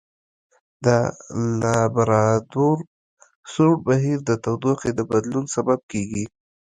د لابرادور سوړ بهیر د تودوخې د بدلون سبب کیږي.